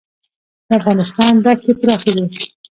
د افغانستان دښتې پراخې دي